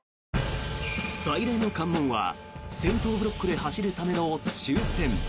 最大の関門は先頭ブロックで走るための抽選。